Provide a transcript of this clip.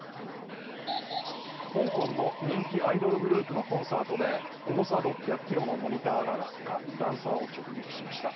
香港の人気アイドルグループのコンサートで重さ６００ｋｇのモニターが落下、ダンサーを直撃しました。